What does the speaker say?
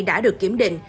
đã được kiểm định